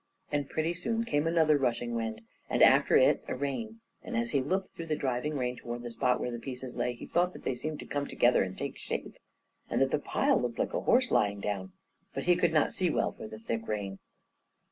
And pretty soon came another rushing wind, and after it a rain; and as he looked through the driving rain toward the spot where the pieces lay, he thought that they seemed to come together and take shape, and that the pile looked like a horse lying down, but he could not see well for the thick rain.